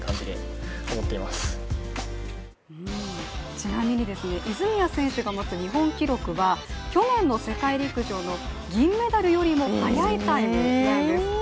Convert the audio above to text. ちなみに泉谷選手が保つ日本記録は去年の世界陸上の銀メダルよりも速いタイムなんですって。